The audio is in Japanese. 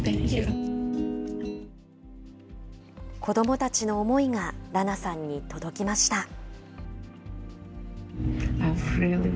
子どもたちの思いがラナさんに届きました。